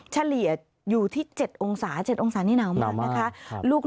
เฉลี่ยอยู่ที่๗องศา๗องศานี่หนาวมากนะคะ